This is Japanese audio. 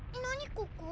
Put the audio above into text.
ここ。